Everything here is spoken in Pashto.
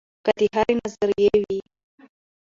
کۀ د هرې نظرئې وي